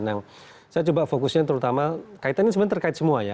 nah saya coba fokusnya terutama kaitannya sebenarnya terkait semua ya